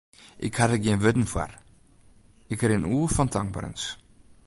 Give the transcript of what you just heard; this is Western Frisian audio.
Ik ha der gjin wurden foar, ik rin oer fan tankberens.